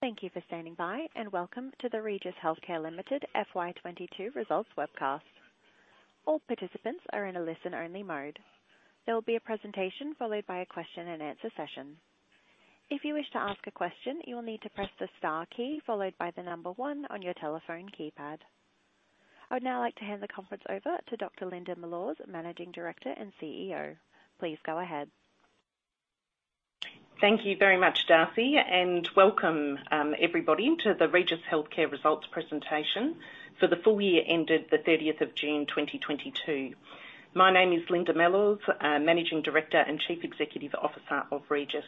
Thank you for standing by, and welcome to the Regis Healthcare Limited FY 22 results webcast. All participants are in a listen-only mode. There will be a presentation followed by a question and answer session. If you wish to ask a question, you will need to press the star key followed by the number one on your telephone keypad. I would now like to hand the conference over to Dr. Linda Mellors, Managing Director and CEO. Please go ahead. Thank you very much, Darcy, and welcome, everybody, to the Regis Healthcare results presentation for the full year ended the 30th of June 2022. My name is Linda Mellors, Managing Director and Chief Executive Officer of Regis.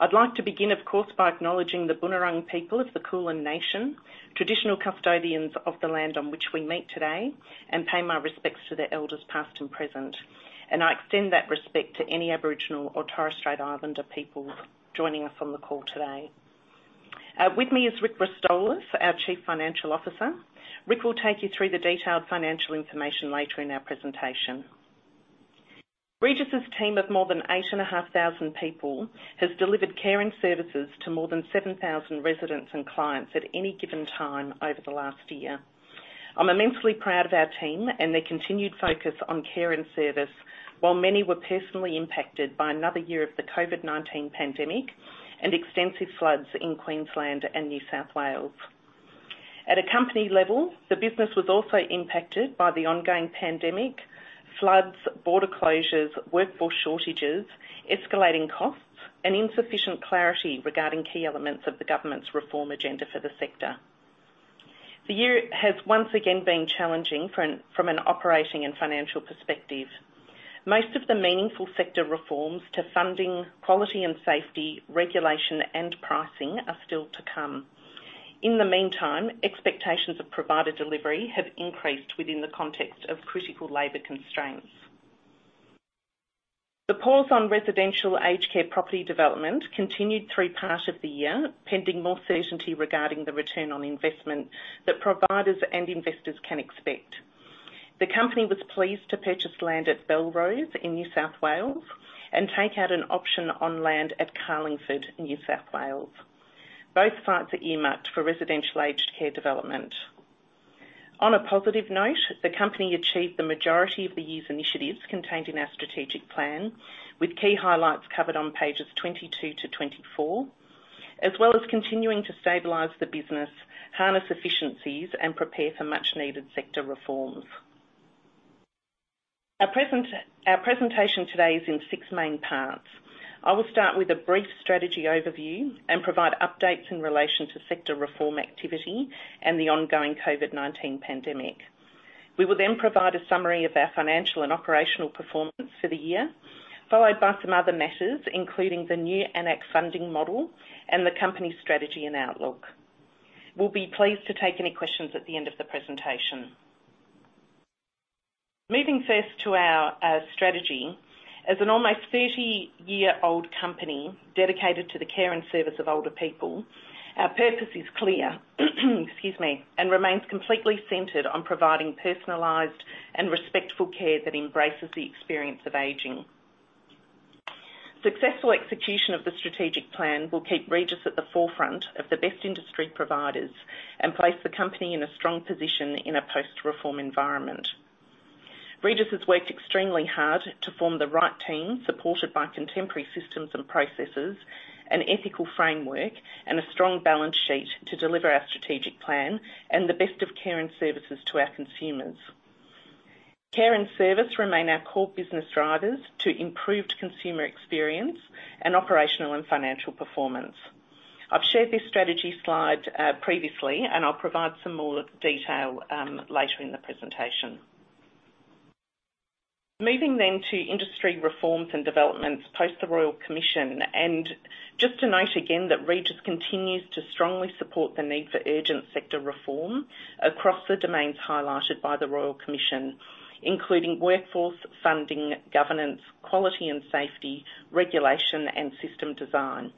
I'd like to begin, of course, by acknowledging the Bunurong people of the Kulin nation, traditional custodians of the land on which we meet today, and pay my respects to the elders past and present. I extend that respect to any Aboriginal or Torres Strait Islander people joining us on the call today. With me is Rick Rostolis, our Chief Financial Officer. Rick will take you through the detailed financial information later in our presentation. Regis' team of more than 8,500 people has delivered care and services to more than 7,000 residents and clients at any given time over the last year. I'm immensely proud of our team and their continued focus on care and service, while many were personally impacted by another year of the COVID-19 pandemic and extensive floods in Queensland and New South Wales. At a company level, the business was also impacted by the ongoing pandemic, floods, border closures, workforce shortages, escalating costs, and insufficient clarity regarding key elements of the government's reform agenda for the sector. The year has once again been challenging from an operating and financial perspective. Most of the meaningful sector reforms to funding, quality and safety, regulation, and pricing are still to come. In the meantime, expectations of provider delivery have increased within the context of critical labor constraints. The pause on residential aged care property development continued through part of the year, pending more certainty regarding the return on investment that providers and investors can expect. The company was pleased to purchase land at Belrose in New South Wales and take out an option on land at Carlingford in New South Wales. Both sites are earmarked for residential aged care development. On a positive note, the company achieved the majority of the year's initiatives contained in our strategic plan, with key highlights covered on pages 22-24, as well as continuing to stabilize the business, harness efficiencies, and prepare for much-needed sector reforms. Our presentation today is in six main parts. I will start with a brief strategy overview and provide updates in relation to sector reform activity and the ongoing COVID-19 pandemic. We will then provide a summary of our financial and operational performance for the year, followed by some other matters, including the new AN-ACC funding model and the company strategy and outlook. We'll be pleased to take any questions at the end of the presentation. Moving first to our strategy. As an almost 30-year-old company dedicated to the care and service of older people, our purpose is clear and remains completely centered on providing personalized and respectful care that embraces the experience of aging. Successful execution of the strategic plan will keep Regis at the forefront of the best industry providers and place the company in a strong position in a post-reform environment. Regis has worked extremely hard to form the right team, supported by contemporary systems and processes, an ethical framework, and a strong balance sheet to deliver our strategic plan and the best of care and services to our consumers. Care and service remain our core business drivers to improved consumer experience and operational and financial performance. I've shared this strategy slide, previously, and I'll provide some more detail, later in the presentation. Moving then to industry reforms and developments post the Royal Commission, and just to note again that Regis continues to strongly support the need for urgent sector reform across the domains highlighted by the Royal Commission, including workforce, funding, governance, quality and safety, regulation, and system design.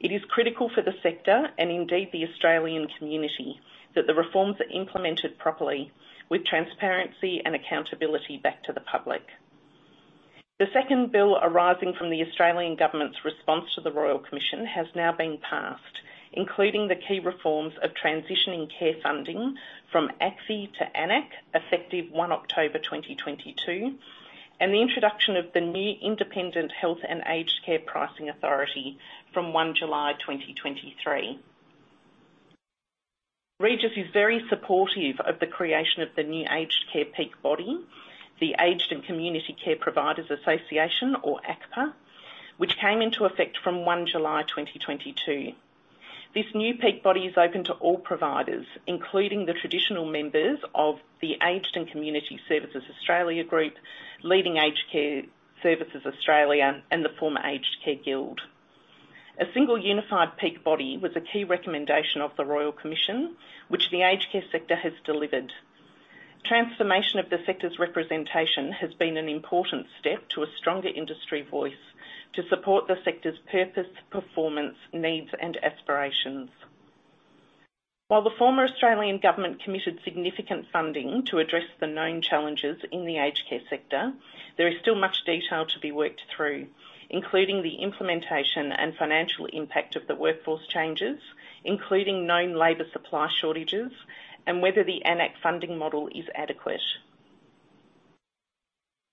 It is critical for the sector, and indeed the Australian community, that the reforms are implemented properly with transparency and accountability back to the public. The second bill arising from the Australian government's response to the Royal Commission has now been passed, including the key reforms of transitioning care funding from ACFI to AN-ACC, effective 1 October 2022, and the introduction of the new Independent Health and Aged Care Pricing Authority from 1 July 2023. Regis is very supportive of the creation of the new aged care peak body, the Aged & Community Care Providers Association, or ACCPA, which came into effect from 1 July 2022. This new peak body is open to all providers, including the traditional members of the Aged and Community Services Australia Group, Leading Age Services Australia, and the former Aged Care Guild. A single unified peak body was a key recommendation of the Royal Commission, which the aged care sector has delivered. Transformation of the sector's representation has been an important step to a stronger industry voice to support the sector's purpose, performance, needs, and aspirations. While the former Australian government committed significant funding to address the known challenges in the aged care sector, there is still much detail to be worked through, including the implementation and financial impact of the workforce changes, including known labor supply shortages, and whether the AN-ACC funding model is adequate.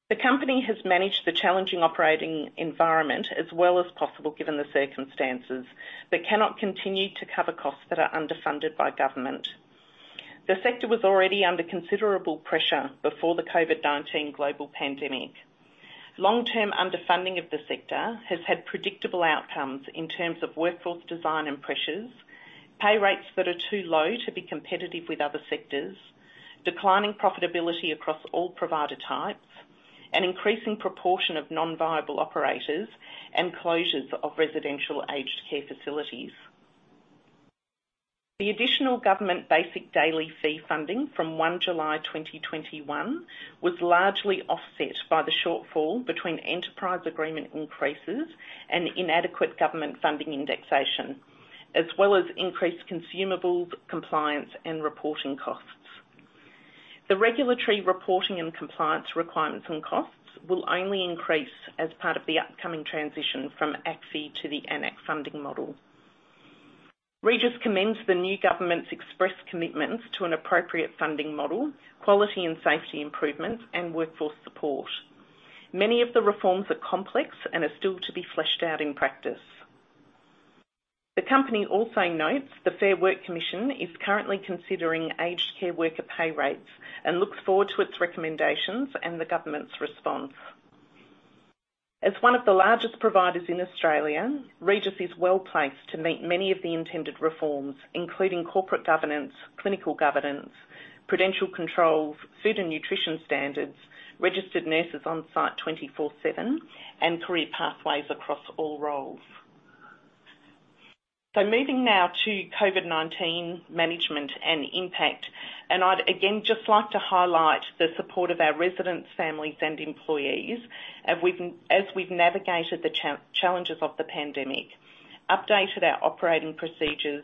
The company has managed the challenging operating environment as well as possible, given the circumstances, but cannot continue to cover costs that are underfunded by government. The sector was already under considerable pressure before the COVID-19 global pandemic. Long-term underfunding of the sector has had predictable outcomes in terms of workforce design and pressures, pay rates that are too low to be competitive with other sectors, declining profitability across all provider types, an increasing proportion of non-viable operators, and closures of residential aged care facilities. The additional government basic daily fee funding from 1 July 2021 was largely offset by the shortfall between enterprise agreement increases and inadequate government funding indexation, as well as increased consumables, compliance, and reporting costs. The regulatory reporting and compliance requirements and costs will only increase as part of the upcoming transition from ACFI to the AN-ACC funding model. Regis commends the new government's express commitments to an appropriate funding model, quality and safety improvements, and workforce support. Many of the reforms are complex and are still to be fleshed out in practice. The company also notes the Fair Work Commission is currently considering aged care worker pay rates, and looks forward to its recommendations and the government's response. As one of the largest providers in Australia, Regis is well-placed to meet many of the intended reforms, including corporate governance, clinical governance, prudential controls, food and nutrition standards, registered nurses on site 24/7, and career pathways across all roles. Moving now to COVID-19 management and impact, and I'd again just like to highlight the support of our residents, families, and employees. As we've navigated the challenges of the pandemic, updated our operating procedures,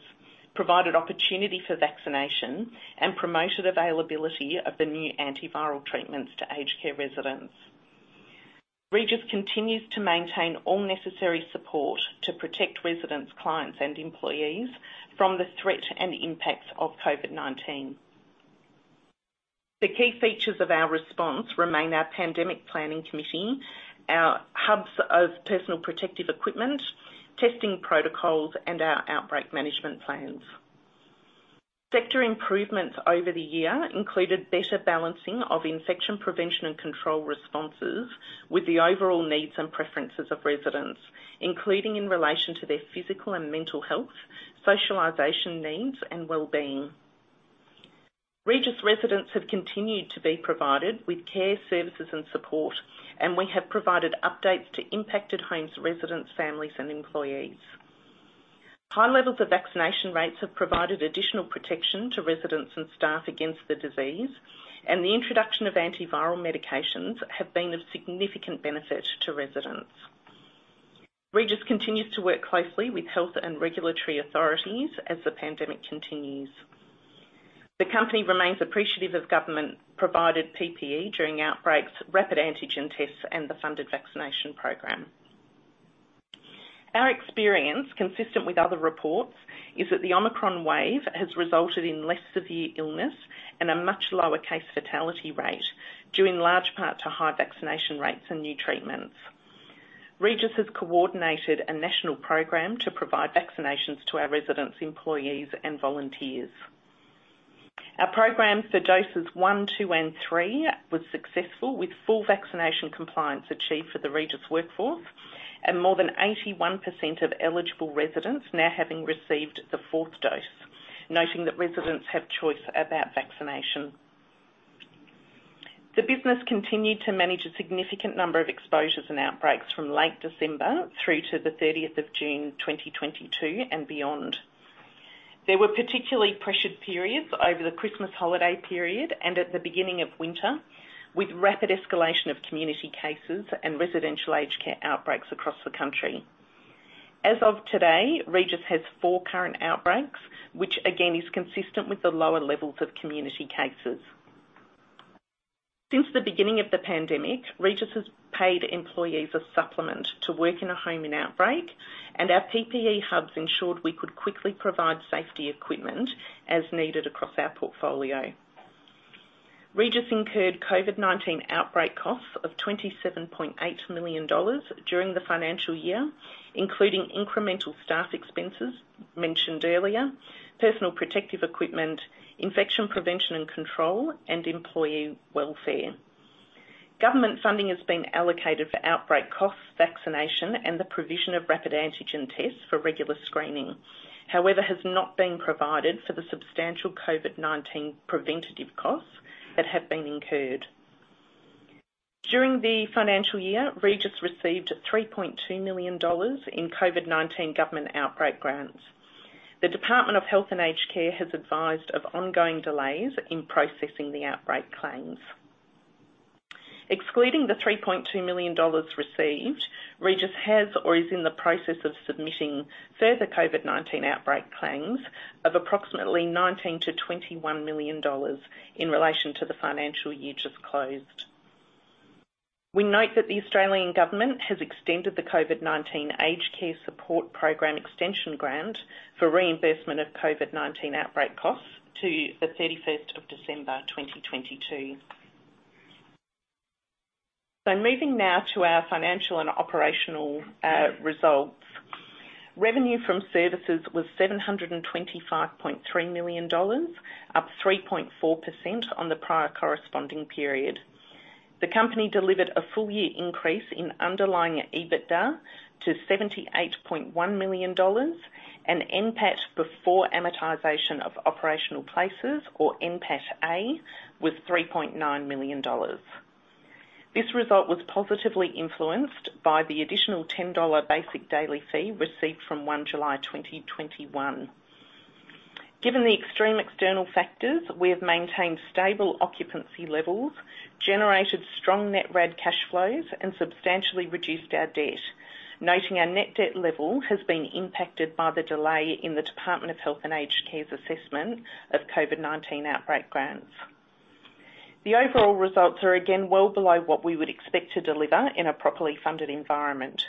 provided opportunity for vaccination, and promoted availability of the new antiviral treatments to aged care residents. Regis continues to maintain all necessary support to protect residents, clients, and employees from the threat and impacts of COVID-19. The key features of our response remain our pandemic planning committee, our hubs of personal protective equipment, testing protocols, and our outbreak management plans. Sector improvements over the year included better balancing of infection prevention and control responses with the overall needs and preferences of residents, including in relation to their physical and mental health, socialization needs, and wellbeing. Regis residents have continued to be provided with care services and support, and we have provided updates to impacted homes, residents, families, and employees. High levels of vaccination rates have provided additional protection to residents and staff against the disease, and the introduction of antiviral medications have been of significant benefit to residents. Regis continues to work closely with health and regulatory authorities as the pandemic continues. The company remains appreciative of government-provided PPE during outbreaks, rapid antigen tests, and the funded vaccination program. Our experience, consistent with other reports, is that the Omicron wave has resulted in less severe illness and a much lower case fatality rate, due in large part to high vaccination rates and new treatments. Regis has coordinated a national program to provide vaccinations to our residents, employees, and volunteers. Our program for doses one, two, and three was successful, with full vaccination compliance achieved for the Regis workforce, and more than 81% of eligible residents now having received the fourth dose, noting that residents have choice about vaccination. The business continued to manage a significant number of exposures and outbreaks from late December through to the 30th of June 2022 and beyond. There were particularly pressured periods over the Christmas holiday period and at the beginning of winter, with rapid escalation of community cases and residential aged care outbreaks across the country. As of today, Regis has four current outbreaks, which again, is consistent with the lower levels of community cases. Since the beginning of the pandemic, Regis has paid employees a supplement to work in a home in outbreak, and our PPE hubs ensured we could quickly provide safety equipment as needed across our portfolio. Regis incurred COVID-19 outbreak costs of 27.8 million dollars during the financial year, including incremental staff expenses mentioned earlier, personal protective equipment, infection prevention and control, and employee welfare. Government funding has been allocated for outbreak costs, vaccination, and the provision of rapid antigen tests for regular screening, however, has not been provided for the substantial COVID-19 preventative costs that have been incurred. During the financial year, Regis received 3.2 million dollars in COVID-19 government outbreak grants. The Department of Health and Aged Care has advised of ongoing delays in processing the outbreak claims. Excluding the 3.2 million dollars received, Regis has or is in the process of submitting further COVID-19 outbreak claims of approximately 19 million-21 million dollars in relation to the financial year just closed. We note that the Australian government has extended the COVID-19 Aged Care Support Program extension grant for reimbursement of COVID-19 outbreak costs to the thirty-first of December 2022. Moving now to our financial and operational results. Revenue from services was 725.3 million dollars, up 3.4% on the prior corresponding period. The company delivered a full year increase in underlying EBITDA to 78.1 million dollars, and NPAT before amortization of operational leases, or NPAT-A, was 3.9 million dollars. This result was positively influenced by the additional 10 dollar basic daily fee received from 1 July 2021. Given the extreme external factors, we have maintained stable occupancy levels, generated strong net RAD cash flows, and substantially reduced our debt. Noting our net debt level has been impacted by the delay in the Department of Health and Aged Care's assessment of COVID-19 outbreak grants. The overall results are again well below what we would expect to deliver in a properly funded environment.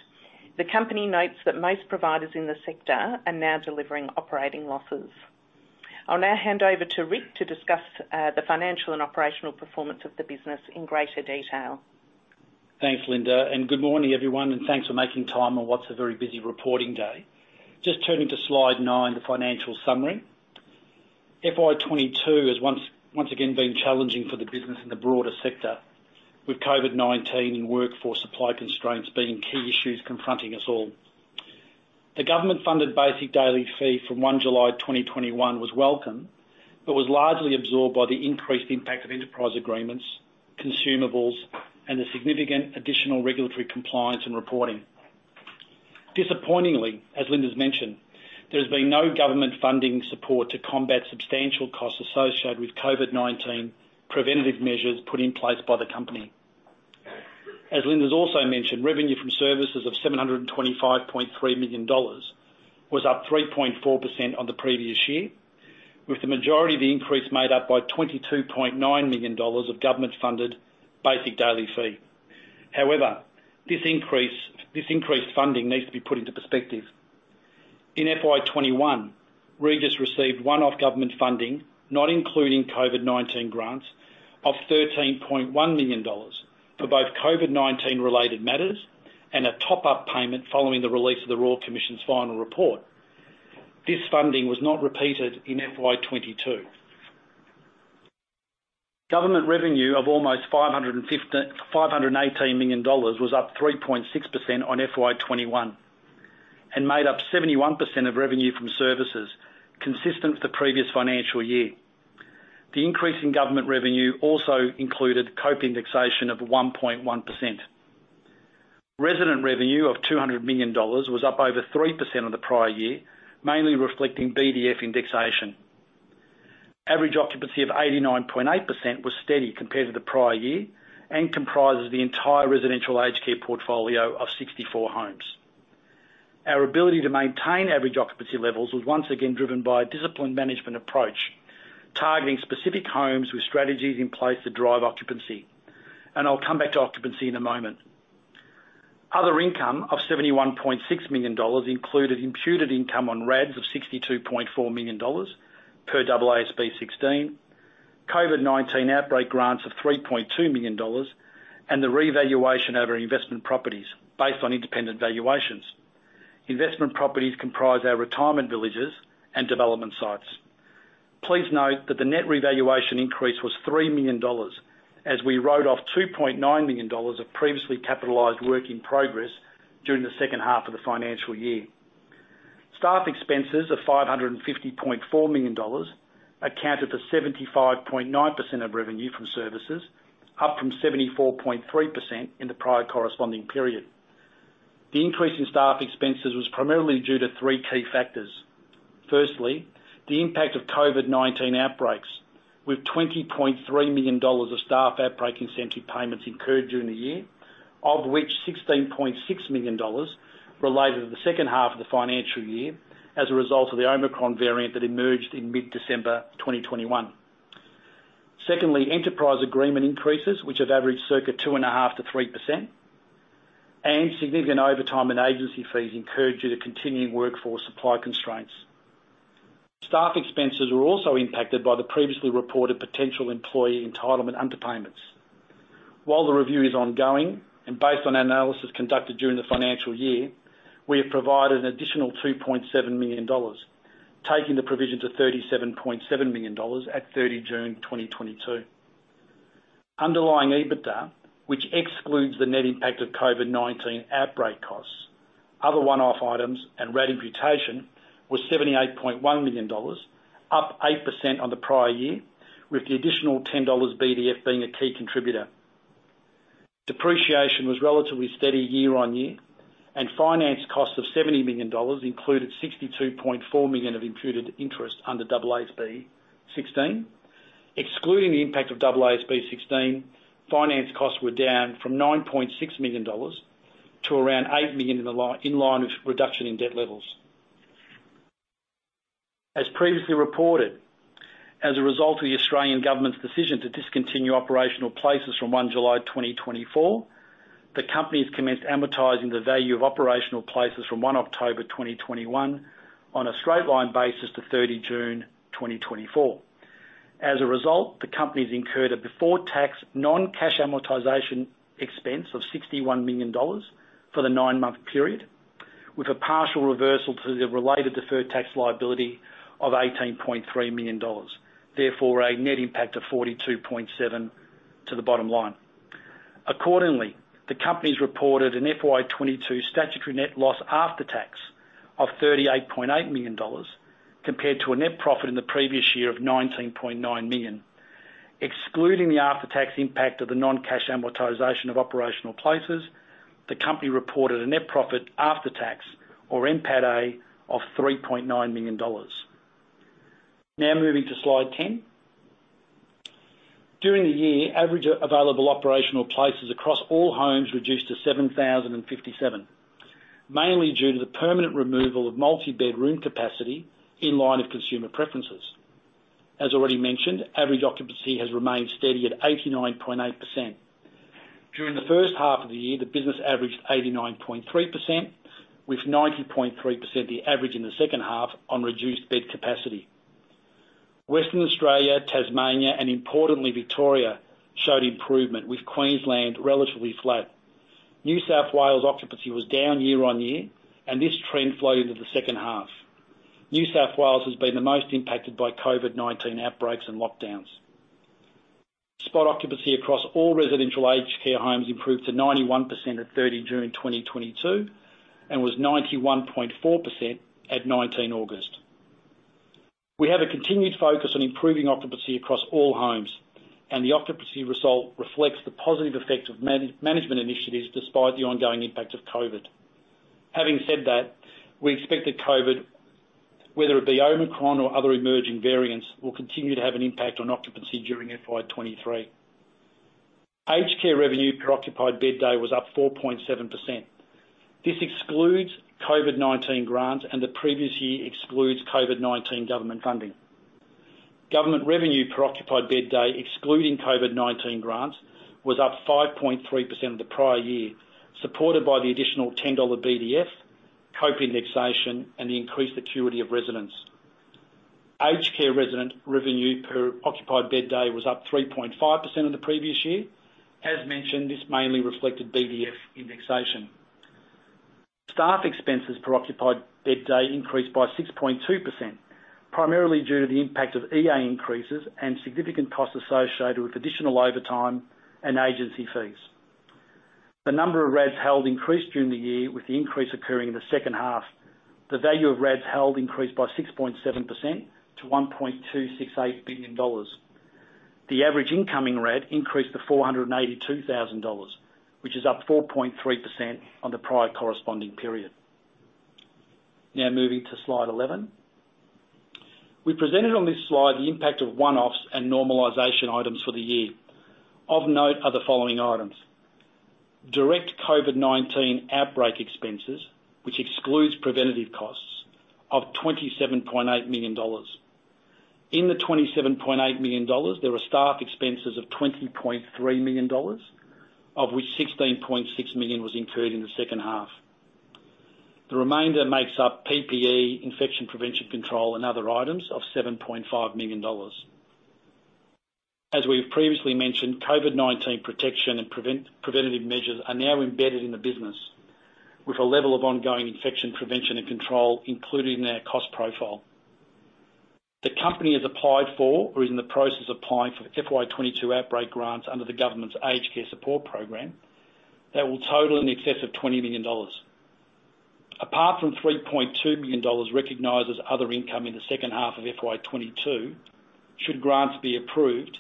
The company notes that most providers in the sector are now delivering operating losses. I'll now hand over to Rick to discuss the financial and operational performance of the business in greater detail. Thanks, Linda, and good morning, everyone, and thanks for making time on what's a very busy reporting day. Just turning to slide 9, the financial summary. FY 2022 has once again been challenging for the business and the broader sector, with COVID-19 and workforce supply constraints being key issues confronting us all. The government-funded basic daily fee from 1 July 2021 was welcome, but was largely absorbed by the increased impact of enterprise agreements, consumables, and the significant additional regulatory compliance and reporting. Disappointingly, as Linda's mentioned, there's been no government funding support to combat substantial costs associated with COVID-19 preventative measures put in place by the company. As Linda's also mentioned, revenue from services of 725.3 million dollars was up 3.4% on the previous year, with the majority of the increase made up by AUD 22.9 million of government-funded basic daily fee. However, this increase, this increased funding needs to be put into perspective. In FY 2021, Regis received one-off government funding, not including COVID-19 grants, of 13.1 million dollars for both COVID-19 related matters and a top-up payment following the release of the Royal Commission's final report. This funding was not repeated in FY 2022. Government revenue of almost 518 million dollars was up 3.6% on FY 2021 and made up 71% of revenue from services, consistent with the previous financial year. The increase in government revenue also included COPE indexation of 1.1%. Resident revenue of 200 million dollars was up over 3% of the prior year, mainly reflecting BDF indexation. Average occupancy of 89.8% was steady compared to the prior year and comprises the entire residential aged care portfolio of 64 homes. Our ability to maintain average occupancy levels was once again driven by a disciplined management approach, targeting specific homes with strategies in place to drive occupancy. I'll come back to occupancy in a moment. Other income of 71.6 million dollars included imputed income on RADs of 62.4 million dollars per AASB 16, COVID-19 outbreak grants of 3.2 million dollars, and the revaluation of our investment properties based on independent valuations. Investment properties comprise our retirement villages and development sites. Please note that the net revaluation increase was 3 million dollars, as we wrote off 2.9 million dollars of previously capitalized work in progress during the second half of the financial year. Staff expenses of 550.4 million dollars accounted for 75.9% of revenue from services, up from 74.3% in the prior corresponding period. The increase in staff expenses was primarily due to three key factors. Firstly, the impact of COVID-19 outbreaks, with 20.3 million dollars of staff outbreak incentive payments incurred during the year, of which 16.6 million dollars related to the second half of the financial year as a result of the Omicron variant that emerged in mid-December 2021. Secondly, enterprise agreement increases, which have averaged circa 2.5%-3%, and significant overtime and agency fees incurred due to continuing workforce supply constraints. Staff expenses were also impacted by the previously reported potential employee entitlement underpayments. While the review is ongoing and based on analysis conducted during the financial year, we have provided an additional 2.7 million dollars, taking the provision to 37.7 million dollars at 30 June 2022. Underlying EBITDA, which excludes the net impact of COVID-19 outbreak costs, other one-off items, and RAD imputation, was AUD 78.1 million, up 8% on the prior year, with the additional AUD 10 BDF being a key contributor. Depreciation was relatively steady year-over-year. Finance costs of AUD 70 million included AUD 62.4 million of imputed interest under AASB 16. Excluding the impact of AASB 16, finance costs were down from 9.6 million dollars to around 8 million in line with reduction in debt levels. As previously reported, as a result of the Australian government's decision to discontinue operational places from 1 July 2024, the company has commenced amortizing the value of operational places from 1 October 2021 on a straight-line basis to 30 June 2024. As a result, the company has incurred a before-tax non-cash amortization expense of 61 million dollars for the nine-month period, with a partial reversal to the related deferred tax liability of 18.3 million dollars. Therefore, a net impact of 42.7 million to the bottom line. Accordingly, the company reported an FY 2022 statutory net loss after tax of 38.8 million dollars compared to a net profit in the previous year of 19.9 million. Excluding the after-tax impact of the non-cash amortization of operational places, the company reported a net profit after tax, or NPATA, of 3.9 million dollars. Now moving to slide 10. During the year, average available operational places across all homes reduced to 7,057, mainly due to the permanent removal of multi-bed room capacity in line with consumer preferences. As already mentioned, average occupancy has remained steady at 89.8%. During the first half of the year, the business averaged 89.3%, with 90.3% the average in the second half on reduced bed capacity. Western Australia, Tasmania, and importantly, Victoria, showed improvement, with Queensland relatively flat. New South Wales occupancy was down year-on-year, and this trend flowed into the second half. New South Wales has been the most impacted by COVID-19 outbreaks and lockdowns. Spot occupancy across all residential aged care homes improved to 91% at 30 June 2022 and was 91.4% at 19 August. We have a continued focus on improving occupancy across all homes, and the occupancy result reflects the positive effect of management initiatives despite the ongoing impact of COVID. Having said that, we expect that COVID, whether it be Omicron or other emerging variants, will continue to have an impact on occupancy during FY 2023. Aged care revenue per occupied bed day was up 4.7%. This excludes COVID-19 grants, and the previous year excludes COVID-19 government funding. Government revenue per occupied bed day, excluding COVID-19 grants, was up 5.3% of the prior year, supported by the additional 10 dollar BDF, COPE indexation, and the increased acuity of residents. Aged care resident revenue per occupied bed day was up 3.5% of the previous year. As mentioned, this mainly reflected BDF indexation. Staff expenses per occupied bed day increased by 6.2%, primarily due to the impact of EA increases and significant costs associated with additional overtime and agency fees. The number of RADs held increased during the year, with the increase occurring in the second half. The value of RADs held increased by 6.7% to 1.268 billion dollars. The average incoming RAD increased to 482,000 dollars, which is up 4.3% on the prior corresponding period. Now moving to slide 11. We presented on this slide the impact of one-offs and normalization items for the year. Of note are the following items: direct COVID-19 outbreak expenses, which excludes preventative costs, of 27.8 million dollars. In the 27.8 million dollars, there are staff expenses of 20.3 million dollars, of which 16.6 million was incurred in the second half. The remainder makes up PPE, infection prevention control, and other items of 7.5 million dollars. As we've previously mentioned, COVID-19 protection and preventative measures are now embedded in the business with a level of ongoing infection prevention and control included in our cost profile. The company has applied for, or is in the process of applying for, FY 2022 outbreak grants under the government's Aged Care Support Program that will total in excess of 20 million dollars. Apart from 3.2 million dollars recognized as other income in the second half of FY 2022, should grants be approved,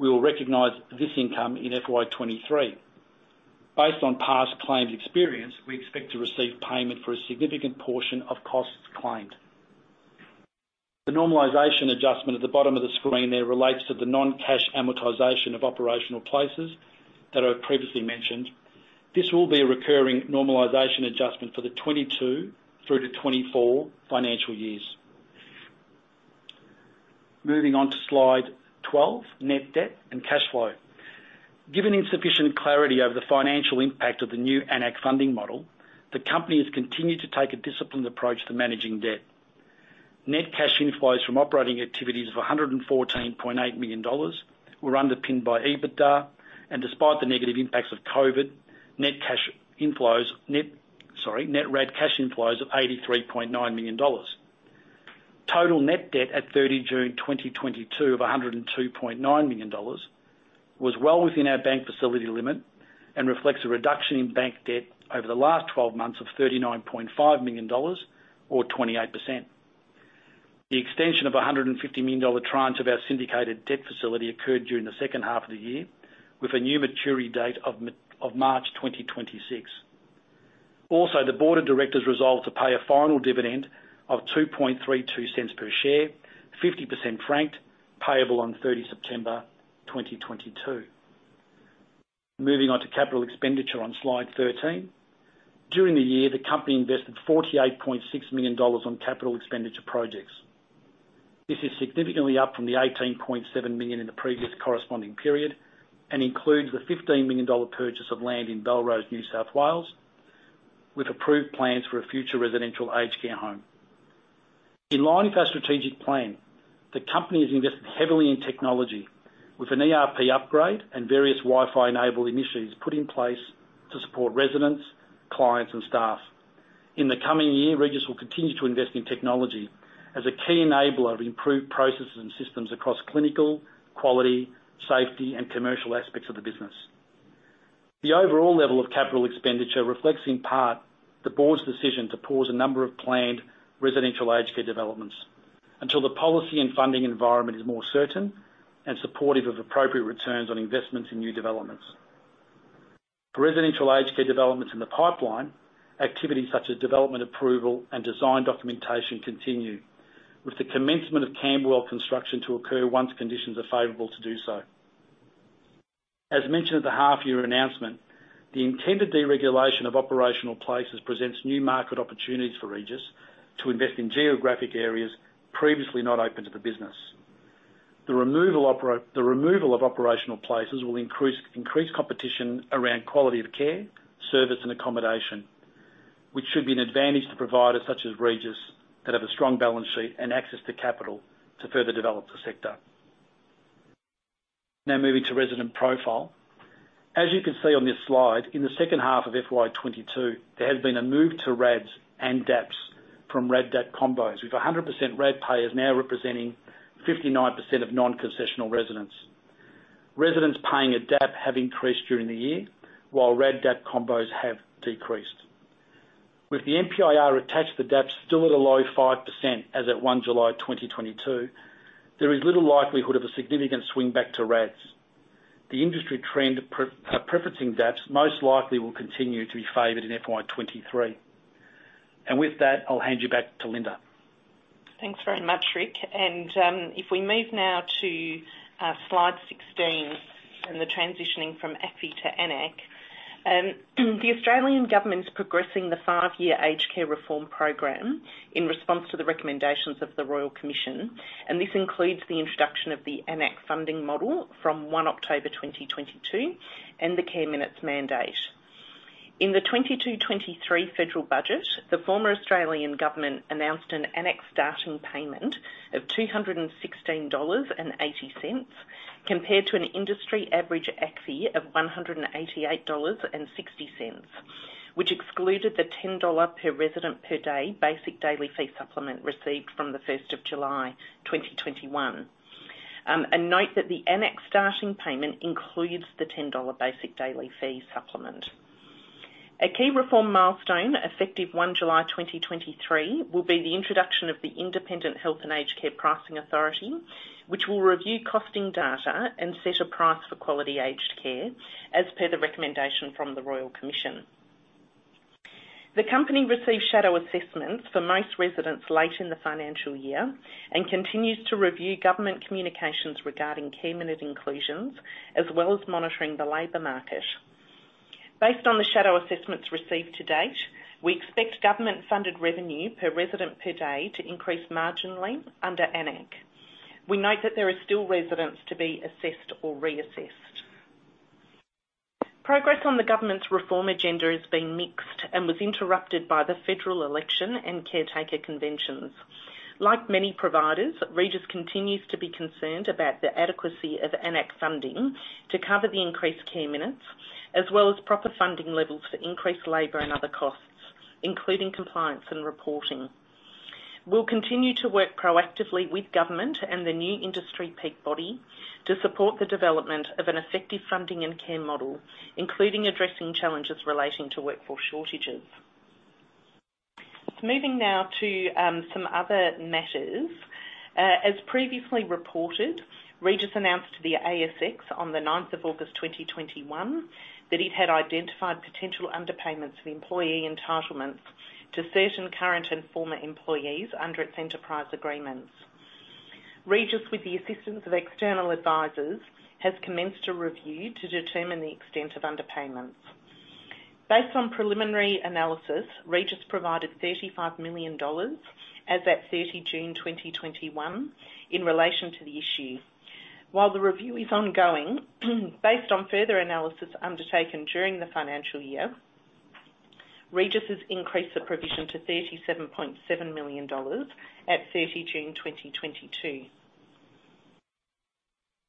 we will recognize this income in FY 2023. Based on past claims experience, we expect to receive payment for a significant portion of costs claimed. The normalization adjustment at the bottom of the screen there relates to the non-cash amortization of operational places that I've previously mentioned. This will be a recurring normalization adjustment for the 2022 through to 2024 financial years. Moving on to slide 12, net debt and cash flow. Given insufficient clarity over the financial impact of the new AN-ACC funding model, the company has continued to take a disciplined approach to managing debt. Net cash inflows from operating activities of 114.8 million dollars were underpinned by EBITDA and, despite the negative impacts of COVID, net cash inflows. Sorry, net RAD cash inflows of 83.9 million dollars. Total net debt at 30 June 2022 of 102.9 million dollars was well within our bank facility limit and reflects a reduction in bank debt over the last 12 months of 39.5 million dollars or 28%. The extension of 150 million dollar tranche of our syndicated debt facility occurred during the second half of the year with a new maturity date of March 2026. Also, the board of directors resolved to pay a final dividend of 0.0232 per share, 50% franked, payable on 30 September 2022. Moving on to capital expenditure on slide 13. During the year, the company invested 48.6 million dollars on capital expenditure projects. This is significantly up from 18.7 million in the previous corresponding period and includes the 15 million dollar purchase of land in Belrose, New South Wales, with approved plans for a future residential aged care home. In line with our strategic plan, the company has invested heavily in technology with an ERP upgrade and various Wi-Fi enabled initiatives put in place to support residents, clients, and staff. In the coming year, Regis will continue to invest in technology as a key enabler of improved processes and systems across clinical, quality, safety, and commercial aspects of the business. The overall level of capital expenditure reflects, in part, the board's decision to pause a number of planned residential aged care developments until the policy and funding environment is more certain and supportive of appropriate returns on investments in new developments. For residential aged care developments in the pipeline, activities such as development approval and design documentation continue, with the commencement of Camberwell construction to occur once conditions are favorable to do so. As mentioned at the half year announcement, the intended deregulation of operational places presents new market opportunities for Regis to invest in geographic areas previously not open to the business. The removal of operational places will increase competition around quality of care, service, and accommodation, which should be an advantage to providers such as Regis that have a strong balance sheet and access to capital to further develop the sector. Now moving to resident profile. As you can see on this slide, in the second half of FY 2022, there has been a move to RADs and DAPs from RAD:DAP combos, with 100% RAD payers now representing 59% of non-concessional residents. Residents paying a DAP have increased during the year, while RAD:DAP combos have decreased. With the MPIR attached to DAPs still at a low 5% as at 1 July 2022, there is little likelihood of a significant swing back to RADs. The industry trend of preferencing DAPs most likely will continue to be favored in FY 2023. With that, I'll hand you back to Linda. Thanks very much, Rick. If we move now to slide 16 and the transitioning from ACFI to AN-ACC. The Australian government is progressing the five-year aged care reform program in response to the recommendations of the Royal Commission, and this includes the introduction of the AN-ACC funding model from 1 October 2022 and the care minutes mandate. In the 2022-2023 federal budget, the former Australian government announced an AN-ACC starting payment of 216.80 dollars, compared to an industry average ACFI of 188.60 dollars, which excluded the 10 dollar per resident per day basic daily fee supplement received from 1 July 2021. Note that the AN-ACC starting payment includes the 10 dollar basic daily fee supplement. A key reform milestone, effective 1 July 2023, will be the introduction of the Independent Health and Aged Care Pricing Authority, which will review costing data and set a price for quality aged care, as per the recommendation from the Royal Commission. The company received shadow assessments for most residents late in the financial year and continues to review government communications regarding care minute inclusions, as well as monitoring the labor market. Based on the shadow assessments received to date, we expect government-funded revenue per resident per day to increase marginally under AN-ACC. We note that there are still residents to be assessed or reassessed. Progress on the government's reform agenda has been mixed and was interrupted by the federal election and caretaker conventions. Like many providers, Regis continues to be concerned about the adequacy of AN-ACC funding to cover the increased care minutes, as well as proper funding levels for increased labor and other costs, including compliance and reporting. We'll continue to work proactively with government and the new industry peak body to support the development of an effective funding and care model, including addressing challenges relating to workforce shortages. Moving now to some other matters. As previously reported, Regis announced to the ASX on the ninth of August 2021 that it had identified potential underpayments of employee entitlements to certain current and former employees under its enterprise agreements. Regis, with the assistance of external advisors, has commenced a review to determine the extent of underpayments. Based on preliminary analysis, Regis provided 35 million dollars as at 30 June 2021 in relation to the issue. While the review is ongoing, based on further analysis undertaken during the financial year, Regis has increased the provision to 37.7 million dollars at 30 June 2022.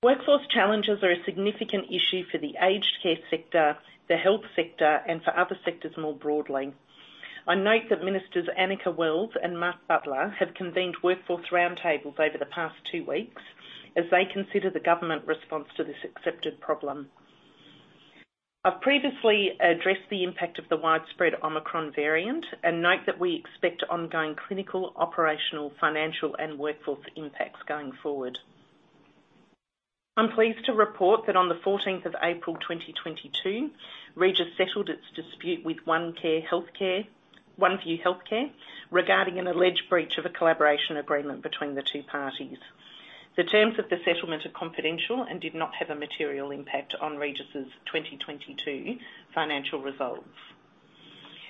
Workforce challenges are a significant issue for the aged care sector, the health sector, and for other sectors more broadly. I note that Ministers Anika Wells and Mark Butler have convened workforce roundtables over the past two weeks as they consider the government response to this accepted problem. I've previously addressed the impact of the widespread Omicron variant, and note that we expect ongoing clinical, operational, financial, and workforce impacts going forward. I'm pleased to report that on 14 April 2022, Regis settled its dispute with OneView Healthcare regarding an alleged breach of a collaboration agreement between the two parties. The terms of the settlement are confidential and did not have a material impact on Regis' 2022 financial results.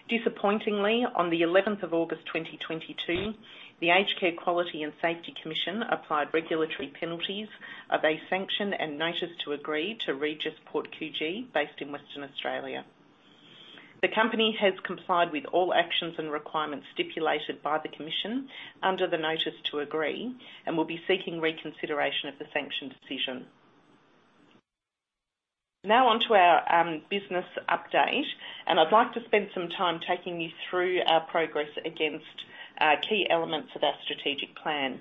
Disappointingly, on the 11th of August, 2022, the Aged Care Quality and Safety Commission applied regulatory penalties of a sanction and notice to agree to Regis Port Coogee, based in Western Australia. The company has complied with all actions and requirements stipulated by the Commission under the notice to agree, and will be seeking reconsideration of the sanction decision. Now on to our business update, and I'd like to spend some time taking you through our progress against key elements of our strategic plan.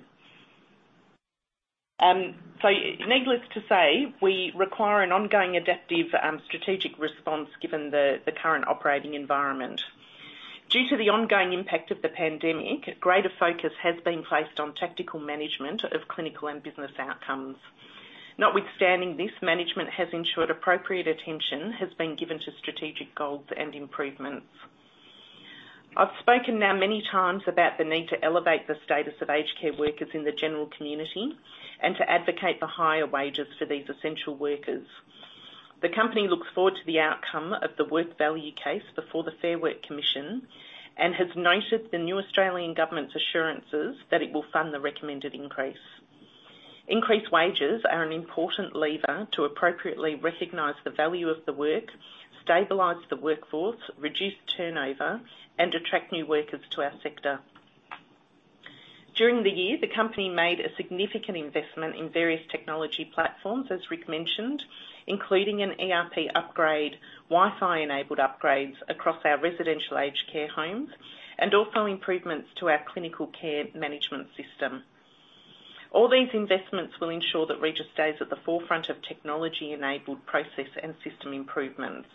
Needless to say, we require an ongoing adaptive strategic response given the current operating environment. Due to the ongoing impact of the pandemic, a greater focus has been placed on tactical management of clinical and business outcomes. Notwithstanding this, management has ensured appropriate attention has been given to strategic goals and improvements. I've spoken now many times about the need to elevate the status of aged care workers in the general community and to advocate for higher wages for these essential workers. The company looks forward to the outcome of the Work Value case before the Fair Work Commission, and has noted the new Australian Government's assurances that it will fund the recommended increase. Increased wages are an important lever to appropriately recognize the value of the work, stabilize the workforce, reduce turnover, and attract new workers to our sector. During the year, the company made a significant investment in various technology platforms, as Rick mentioned, including an ERP upgrade, Wi-Fi enabled upgrades across our residential aged care homes, and also improvements to our clinical care management system. All these investments will ensure that Regis stays at the forefront of technology-enabled process and system improvements.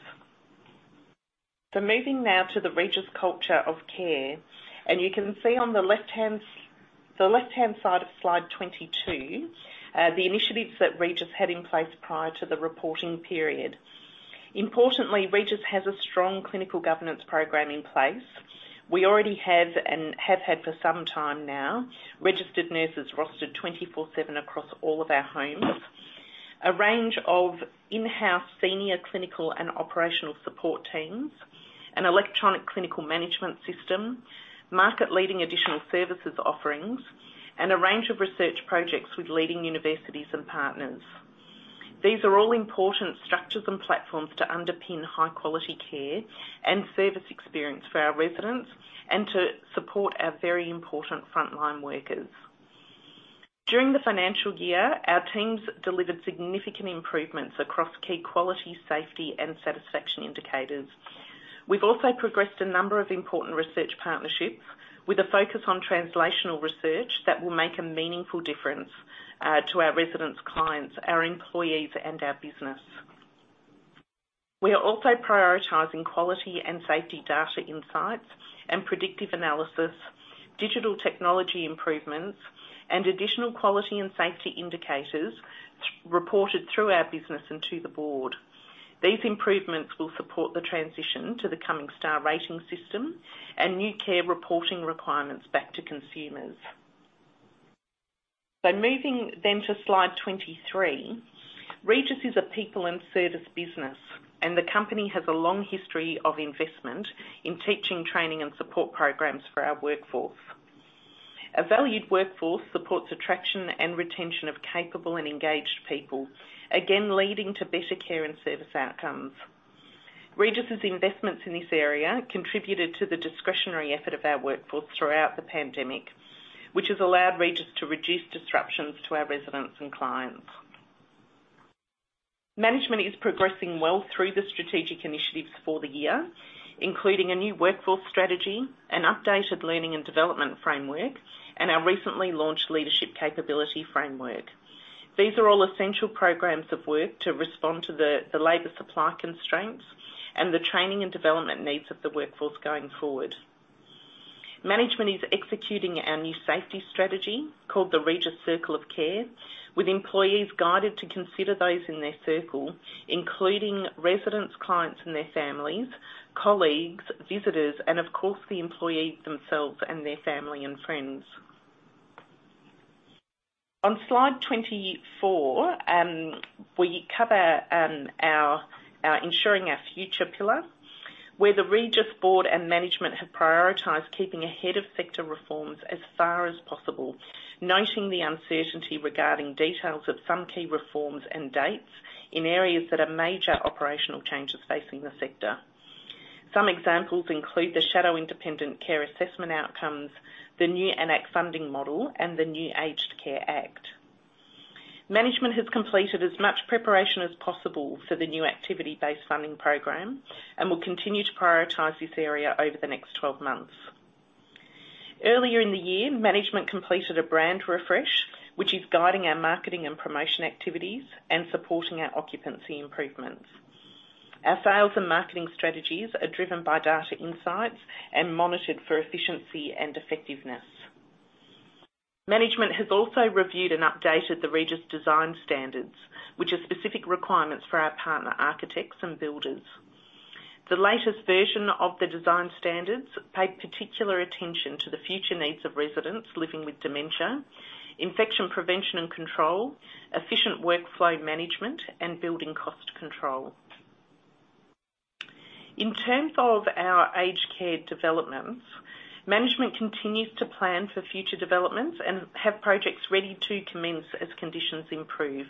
Moving now to the Regis culture of care, and you can see on the left-hand side of slide 22, the initiatives that Regis had in place prior to the reporting period. Importantly, Regis has a strong clinical governance program in place. We already have, and have had for some time now, registered nurses rostered 24/7 across all of our homes, a range of in-house senior clinical and operational support teams, an electronic clinical management system, market-leading additional services offerings, and a range of research projects with leading universities and partners. These are all important structures and platforms to underpin high-quality care and service experience for our residents and to support our very important frontline workers. During the financial year, our teams delivered significant improvements across key quality, safety, and satisfaction indicators. We've also progressed a number of important research partnerships with a focus on translational research that will make a meaningful difference to our residents, clients, our employees, and our business. We are also prioritizing quality and safety data insights and predictive analysis, digital technology improvements, and additional quality and safety indicators reported through our business and to the board. These improvements will support the transition to the coming star rating system and new care reporting requirements back to consumers. Moving then to slide 23. Regis is a people and service business, and the company has a long history of investment in teaching, training, and support programs for our workforce. A valued workforce supports attraction and retention of capable and engaged people, again, leading to better care and service outcomes. Regis' investments in this area contributed to the discretionary effort of our workforce throughout the pandemic, which has allowed Regis to reduce disruptions to our residents and clients. Management is progressing well through the strategic initiatives for the year, including a new workforce strategy, an updated learning and development framework, and our recently launched leadership capability framework. These are all essential programs of work to respond to the labor supply constraints and the training and development needs of the workforce going forward. Management is executing our new safety strategy, called the Regis Circle of Care, with employees guided to consider those in their circle, including residents, clients and their families, colleagues, visitors, and of course, the employees themselves and their family and friends. On slide 24, we cover our ensuring our future pillar, where the Regis board and management have prioritized keeping ahead of sector reforms as far as possible, noting the uncertainty regarding details of some key reforms and dates in areas that are major operational changes facing the sector. Some examples include the AN-ACC shadow assessment outcomes, the new AN-ACC funding model, and the new Aged Care Act. Management has completed as much preparation as possible for the new activity-based funding program and will continue to prioritize this area over the next 12 months. Earlier in the year, management completed a brand refresh, which is guiding our marketing and promotion activities and supporting our occupancy improvements. Our sales and marketing strategies are driven by data insights and monitored for efficiency and effectiveness. Management has also reviewed and updated the Regis design standards, which are specific requirements for our partner architects and builders. The latest version of the design standards paid particular attention to the future needs of residents living with dementia, infection prevention and control, efficient workflow management, and building cost control. In terms of our aged care developments, management continues to plan for future developments and have projects ready to commence as conditions improve.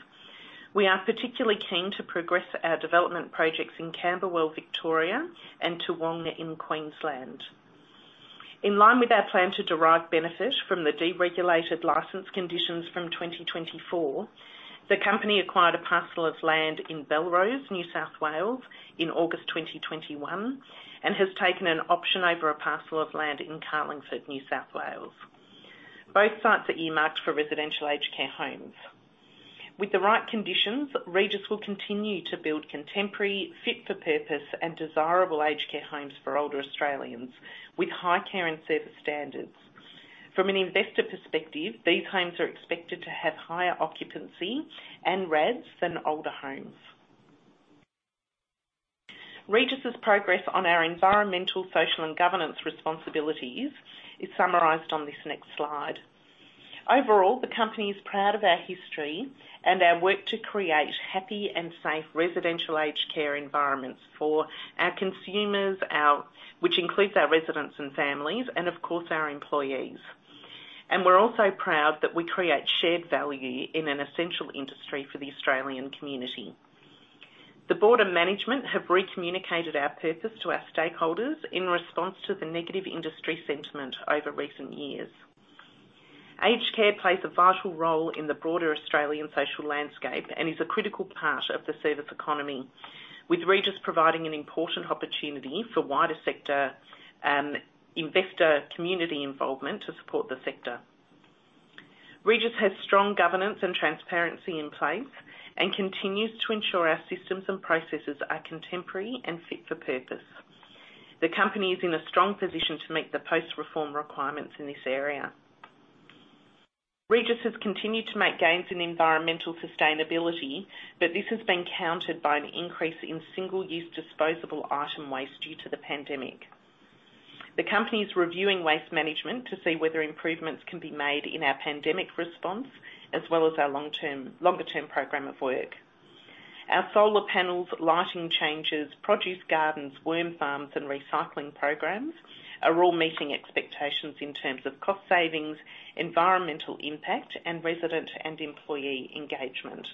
We are particularly keen to progress our development projects in Camberwell, Victoria, and Toowong in Queensland. In line with our plan to derive benefit from the deregulated license conditions from 2024, the company acquired a parcel of land in Belrose, New South Wales in August 2021, and has taken an option over a parcel of land in Carlingford, New South Wales. Both sites are earmarked for residential aged care homes. With the right conditions, Regis will continue to build contemporary, fit-for-purpose, and desirable aged care homes for older Australians with high care and service standards. From an investor perspective, these homes are expected to have higher occupancy and RADS than older homes. Regis's progress on our environmental, social, and governance responsibilities is summarized on this next slide. Overall, the company is proud of our history and our work to create happy and safe residential aged care environments for our consumers, which includes our residents and families, and of course, our employees. We're also proud that we create shared value in an essential industry for the Australian community. The board and management have recommunicated our purpose to our stakeholders in response to the negative industry sentiment over recent years. Aged care plays a vital role in the broader Australian social landscape and is a critical part of the service economy, with Regis providing an important opportunity for wider sector and investor community involvement to support the sector. Regis has strong governance and transparency in place and continues to ensure our systems and processes are contemporary and fit for purpose. The company is in a strong position to meet the post-reform requirements in this area. Regis has continued to make gains in environmental sustainability, but this has been countered by an increase in single-use disposable item waste due to the pandemic. The company is reviewing waste management to see whether improvements can be made in our pandemic response, as well as our longer term program of work. Our solar panels, lighting changes, produce gardens, worm farms, and recycling programs are all meeting expectations in terms of cost savings, environmental impact, and resident and employee engagement.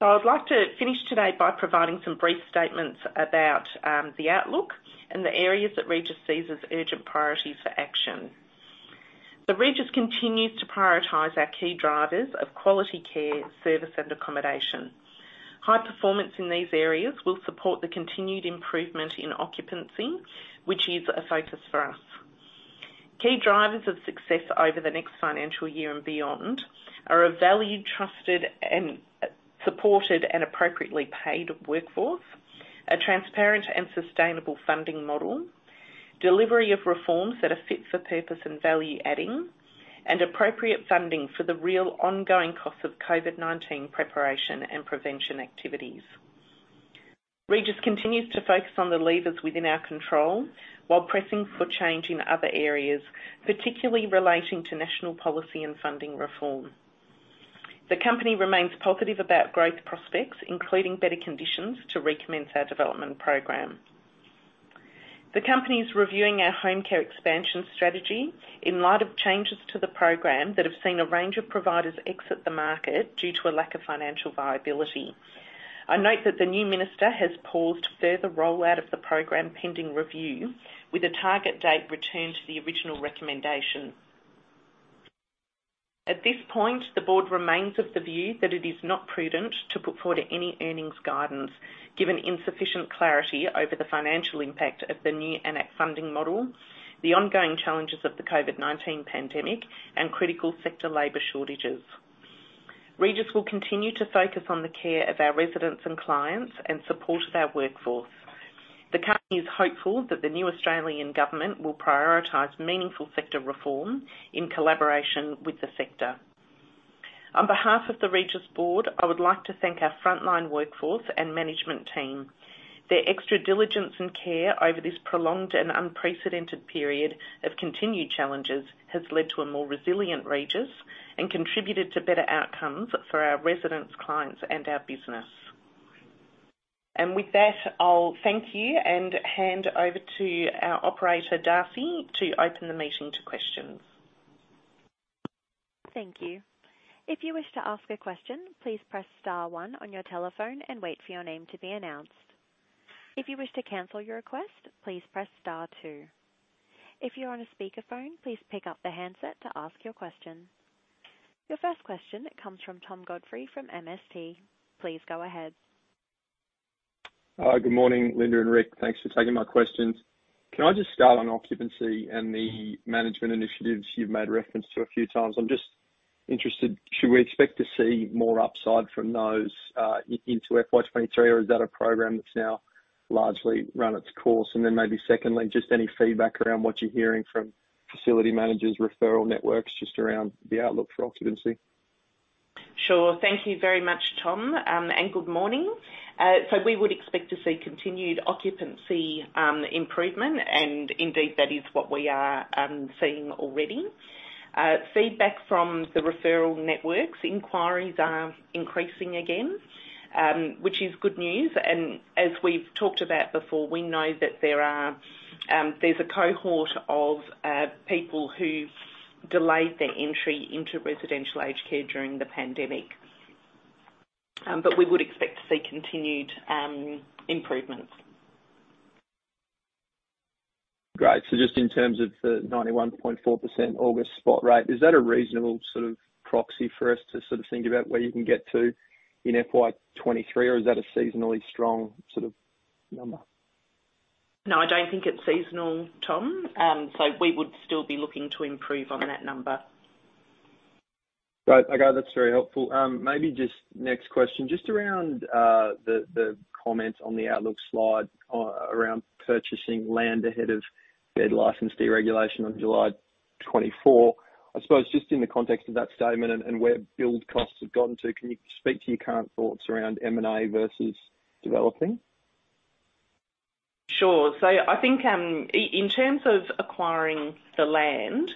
I'd like to finish today by providing some brief statements about the outlook and the areas that Regis sees as urgent priorities for action. Regis continues to prioritize our key drivers of quality care, service, and accommodation. High performance in these areas will support the continued improvement in occupancy, which is a focus for us. Key drivers of success over the next financial year and beyond are a valued, trusted and supported and appropriately paid workforce, a transparent and sustainable funding model, delivery of reforms that are fit for purpose and value-adding, and appropriate funding for the real ongoing costs of COVID-19 preparation and prevention activities. Regis continues to focus on the levers within our control while pressing for change in other areas, particularly relating to national policy and funding reform. The company remains positive about growth prospects, including better conditions to recommence our development program. The company is reviewing our home care expansion strategy in light of changes to the program that have seen a range of providers exit the market due to a lack of financial viability. I note that the new minister has paused further rollout of the program pending review, with a target date returned to the original recommendation. At this point, the board remains of the view that it is not prudent to put forward any earnings guidance, given insufficient clarity over the financial impact of the new AN-ACC funding model, the ongoing challenges of the COVID-19 pandemic, and critical sector labor shortages. Regis will continue to focus on the care of our residents and clients and support of our workforce. The company is hopeful that the new Australian government will prioritize meaningful sector reform in collaboration with the sector. On behalf of the Regis board, I would like to thank our frontline workforce and management team. Their extra diligence and care over this prolonged and unprecedented period of continued challenges has led to a more resilient Regis and contributed to better outcomes for our residents, clients, and our business. With that, I'll thank you and hand over to our operator, Darcy, to open the meeting to questions. Thank you. If you wish to ask a question, please press star one on your telephone and wait for your name to be announced. If you wish to cancel your request, please press star two. If you're on a speakerphone, please pick up the handset to ask your question. Your first question comes from Tom Godfrey from MST. Please go ahead. Good morning, Linda and Rick. Thanks for taking my questions. Can I just start on occupancy and the management initiatives you've made reference to a few times? I'm just interested, should we expect to see more upside from those into FY 2023, or is that a program that's now largely run its course? Maybe secondly, just any feedback around what you're hearing from facility managers, referral networks, just around the outlook for occupancy. Sure. Thank you very much, Tom, and good morning. So we would expect to see continued occupancy improvement, and indeed, that is what we are seeing already. Feedback from the referral networks, inquiries are increasing again, which is good news. As we've talked about before, we know that there's a cohort of people who've delayed their entry into residential aged care during the pandemic. We would expect to see continued improvements. Great. Just in terms of the 91.4% August spot rate, is that a reasonable sort of proxy for us to sort of think about where you can get to in FY 2023, or is that a seasonally strong sort of number? No, I don't think it's seasonal, Tom. We would still be looking to improve on that number. Great. Okay, that's very helpful. Maybe just next question. Just around the comment on the outlook slide around purchasing land ahead of bed license deregulation on July 2024. I suppose just in the context of that statement and where build costs have gotten to, can you speak to your current thoughts around M&A versus developing? Sure. I think, in terms of acquiring the land,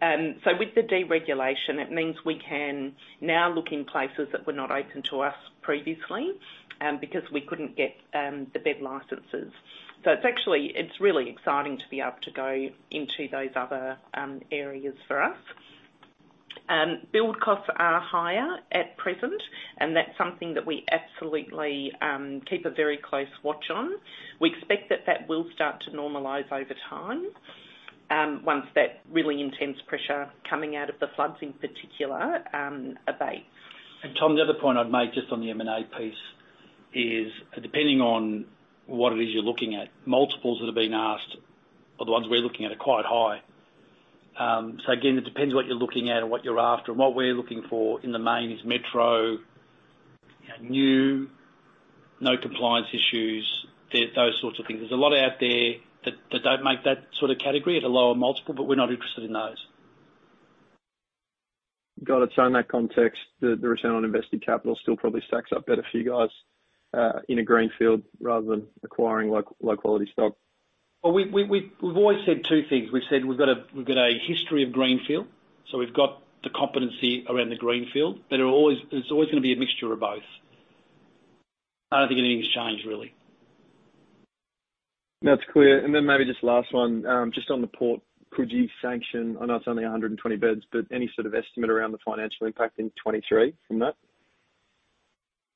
with the deregulation, it means we can now look in places that were not open to us previously, because we couldn't get the bed licenses. It's actually really exciting to be able to go into those other areas for us. Build costs are higher at present, and that's something that we absolutely keep a very close watch on. We expect that will start to normalize over time, once that really intense pressure coming out of the floods, in particular, abates. Tom, the other point I'd make just on the M&A piece is depending on what it is you're looking at, multiples that have been asked or the ones we're looking at are quite high. So again, it depends what you're looking at and what you're after. What we're looking for in the main is metro, you know, new, no compliance issues, those sorts of things. There's a lot out there that don't make that sort of category at a lower multiple, but we're not interested in those. Got it. In that context, the return on invested capital still probably stacks up better for you guys in a greenfield rather than acquiring low quality stock. Well, we've always said two things. We've said we've got a history of greenfield, so we've got the competency around the greenfield. But it will always. There's always gonna be a mixture of both. I don't think anything's changed really. That's clear. Maybe just last one. Just on the Port Coogee sanction, I know it's only 120 beds, but any sort of estimate around the financial impact in 2023 from that?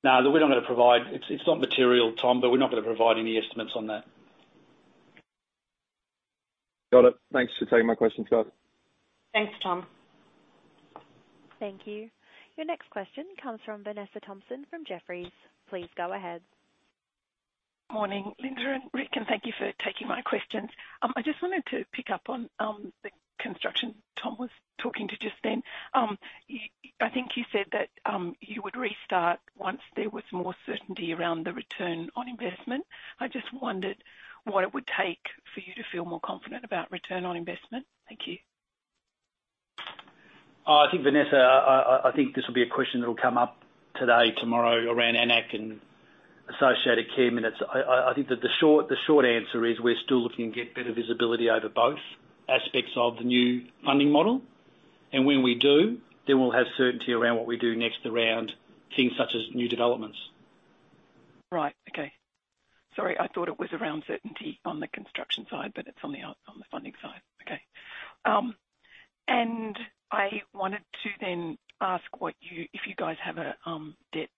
No, we're not gonna provide. It's not material, Tom, but we're not gonna provide any estimates on that. Got it. Thanks for taking my questions, guys. Thanks, Tom. Thank you. Your next question comes from Vanessa Thomson from Jefferies. Please go ahead. Morning, Linda and Rick, and thank you for taking my questions. I just wanted to pick up on the construction Tom was talking to just then. I think you said that you would restart once there was more certainty around the return on investment. I just wondered what it would take for you to feel more confident about return on investment. Thank you. I think, Vanessa, this will be a question that will come up today, tomorrow, around AN-ACC and associated care minutes. I think that the short answer is we're still looking to get better visibility over both aspects of the new funding model. When we do, then we'll have certainty around what we do next around things such as new developments. Right. Okay. Sorry, I thought it was around certainty on the construction side, but it's on the funding side. Okay. I wanted to then ask what if you guys have a debt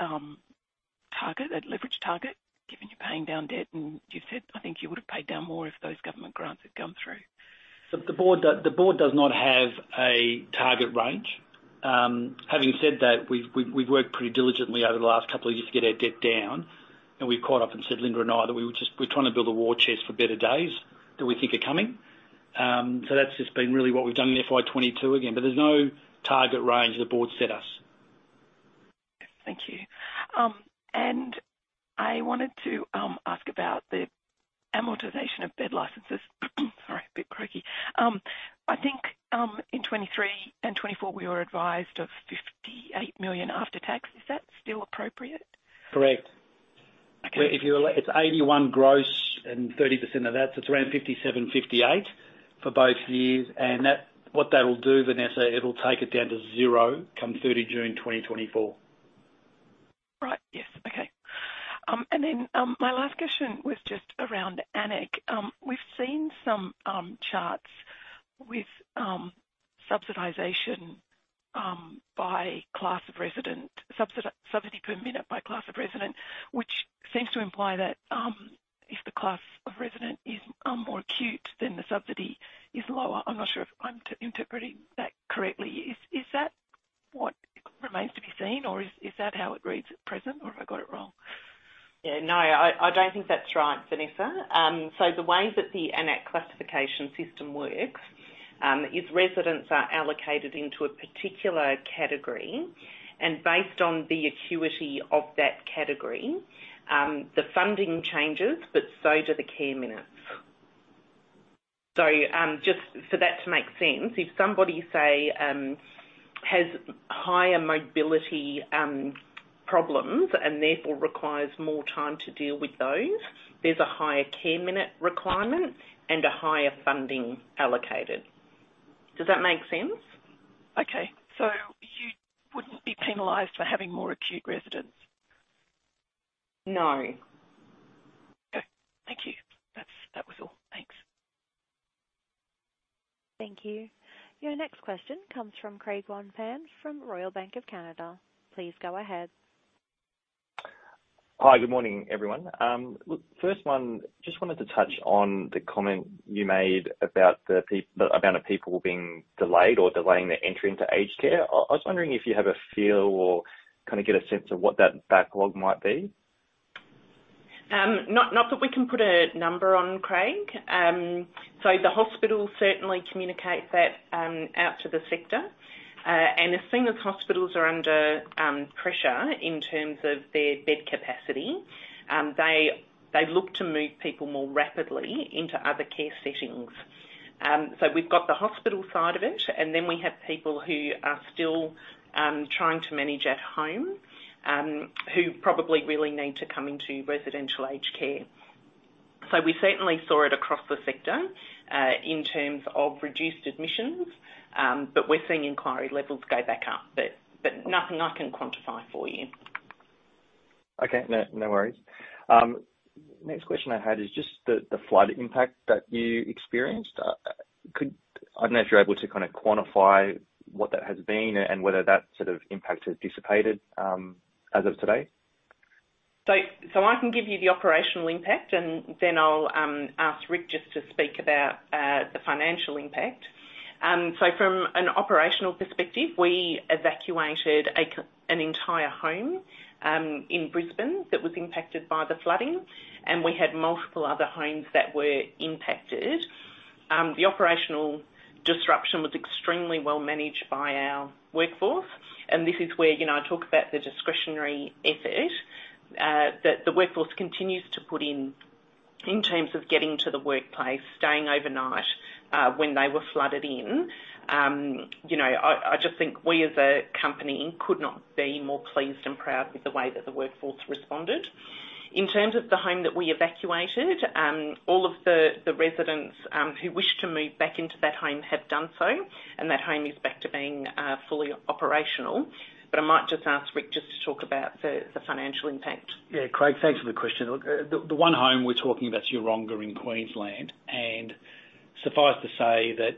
target, a leverage target, given you're paying down debt, and you've said, I think you would have paid down more if those government grants had come through. The board does not have a target range. Having said that, we've worked pretty diligently over the last couple of years to get our debt down, and we've quite often said, Linda and I, that we're trying to build a war chest for better days that we think are coming. That's just been really what we've done in FY 2022 again. There's no target range the board set us. Thank you. I wanted to ask about the amortization of bed licenses. Sorry, a bit croaky. I think in 2023 and 2024, we were advised of 58 million after tax. Is that still appropriate? Correct. Okay. It's 81 gross and 30% of that, so it's around 57-58 for both years. That, what that will do, Vanessa, it'll take it down to zero come 30 June 2024. Right. Yes. Okay. My last question was just around AN-ACC. We've seen some charts with subsidization by class of resident, subsidy per minute by class of resident, which seems to imply that if the class of resident is more acute, then the subsidy is lower. I'm not sure if I'm interpreting that correctly. Is that- What remains to be seen or is that how it reads at present, or have I got it wrong? Yeah, no, I don't think that's right, Vanessa. The way that the AN-ACC classification system works is residents are allocated into a particular category, and based on the acuity of that category, the funding changes, but so do the care minutes. Just for that to make sense, if somebody say has higher mobility problems and therefore requires more time to deal with those, there's a higher care minute requirement and a higher funding allocated. Does that make sense? Okay. You wouldn't be penalized for having more acute residents? No. Okay. Thank you. That was all. Thanks. Thank you. Your next question comes from Craig Wong-Pan from Royal Bank of Canada. Please go ahead. Hi, good morning, everyone. First one, just wanted to touch on the comment you made about the amount of people being delayed or delaying their entry into aged care. I was wondering if you have a feel or kinda get a sense of what that backlog might be. Not that we can put a number on, Craig. The hospital certainly communicates that out to the sector. As soon as hospitals are under pressure in terms of their bed capacity, they look to move people more rapidly into other care settings. We've got the hospital side of it, and then we have people who are still trying to manage at home, who probably really need to come into residential aged care. We certainly saw it across the sector in terms of reduced admissions, but we're seeing inquiry levels go back up. Nothing I can quantify for you. Okay. No, no worries. Next question I had is just the flood impact that you experienced. I don't know if you're able to kinda quantify what that has been and whether that sort of impact has dissipated, as of today. I can give you the operational impact, and then I'll ask Rick just to speak about the financial impact. From an operational perspective, we evacuated an entire home in Brisbane that was impacted by the flooding, and we had multiple other homes that were impacted. The operational disruption was extremely well managed by our workforce, and this is where, you know, I talk about the discretionary effort that the workforce continues to put in terms of getting to the workplace, staying overnight when they were flooded in. You know, I just think we as a company could not be more pleased and proud with the way that the workforce responded. In terms of the home that we evacuated, all of the residents who wished to move back into that home have done so, and that home is back to being fully operational. I might just ask Rick just to talk about the financial impact. Yeah. Craig, thanks for the question. Look, the one home we're talking about is Yeronga in Queensland. Suffice to say that,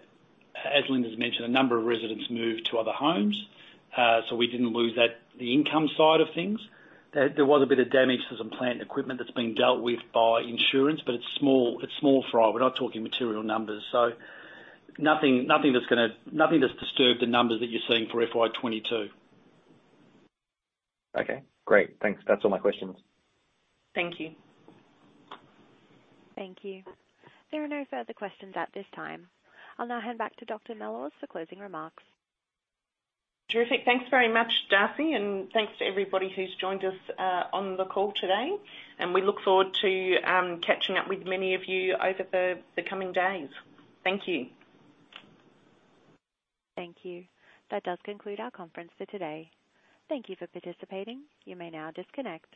as Linda's mentioned, a number of residents moved to other homes, so we didn't lose that, the income side of things. There was a bit of damage to some plant and equipment that's being dealt with by insurance, but it's small fry. We're not talking material numbers. So nothing that's gonna disturb the numbers that you're seeing for FY 2022. Okay, great. Thanks. That's all my questions. Thank you. Thank you. There are no further questions at this time. I'll now hand back to Dr. Mellors for closing remarks. Terrific. Thanks very much, Darcy, and thanks to everybody who's joined us on the call today. We look forward to catching up with many of you over the coming days. Thank you. Thank you. That does conclude our conference for today. Thank you for participating. You may now disconnect.